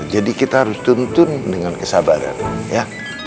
jadi kita harus tuntun dengan kesabaran ya